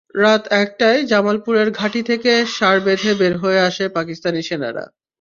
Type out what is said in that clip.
রাত একটায় জামালপুরের ঘাঁটি থেকে সার বেঁধে বের হয়ে আসে পাকিস্তানি সেনারা।